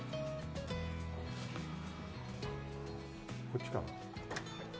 こっちか。